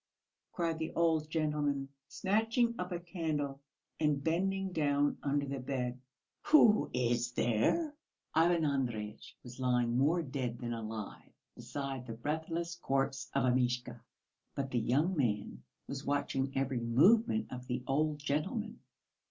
cried the old gentleman, snatching up a candle and bending down under the bed. "Who is there?" Ivan Andreyitch was lying more dead than alive beside the breathless corpse of Amishka, but the young man was watching every movement of the old gentleman.